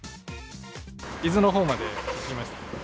伊豆のほうまで行きました。